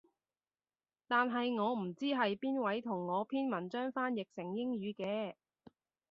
但係我唔知係邊位同我篇文章翻譯成英語嘅